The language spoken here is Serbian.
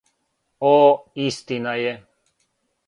О, истина је.